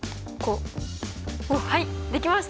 はいできました。